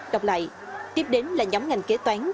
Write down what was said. đọc lại tiếp đến là nhóm ngành kế toán